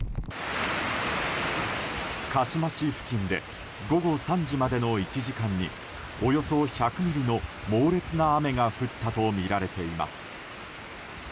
鹿嶋市付近で午後３時までの１時間におよそ１００ミリの猛烈な雨が降ったとみられています。